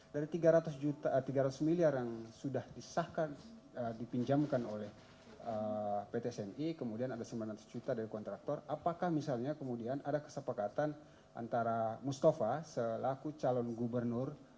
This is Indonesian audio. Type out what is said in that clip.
dari tiga ratus miliar yang sudah disahkan dipinjamkan oleh pt sni kemudian ada sembilan ratus juta dari kontraktor apakah misalnya kemudian ada kesepakatan antara mustafa selaku calon gubernur